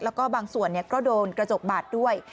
แล้วก็บางส่วนก็โดนกระจกบาดด้วย